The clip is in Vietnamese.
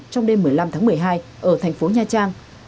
trong đêm một mươi năm tháng một mươi hai ở thành phố nha trang